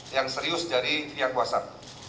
yang serius dari pihak whatsapp